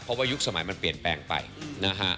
เพราะว่ายุคสมัยมันเปลี่ยนแปลงไปนะฮะ